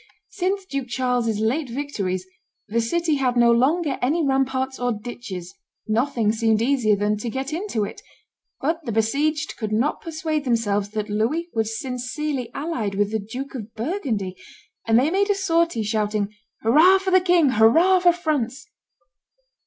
Since Duke Charles's late victories, the city had no longer any ramparts or ditches; nothing seemed easier than to get into it; but the besieged could not persuade themselves that Louis was sincerely allied with the Duke of Burgundy, and they made a sortie, shouting, "Hurrah for the king! Hurrah for France!"